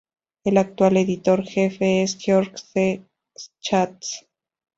El actual Editor-Jefe es George C. Schatz.